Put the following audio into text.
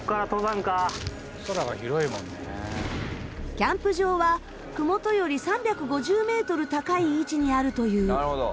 キャンプ場はふもとより３５０メートル高い位置にあるという。